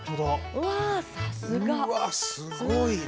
うわっすごいな！